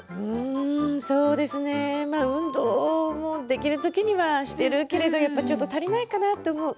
そうですね、運動もできるときにはしているけれどやっぱりちょっと足りないかなと思う。